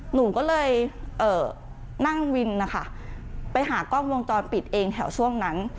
หนูก็เลยนั่งวินนะคะไปหากล้องวงจรปิดเองแถวช่วงนั้น